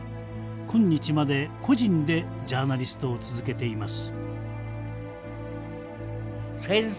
今日まで個人でジャーナリストを続けています。